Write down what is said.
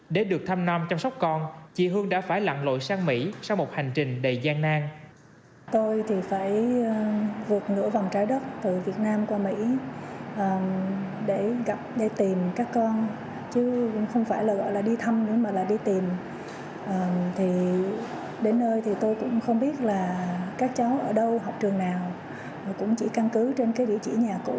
để được thăm non chăm sóc con chị hương đã phải lặng lội sang mỹ sau một hành trình đầy gian nan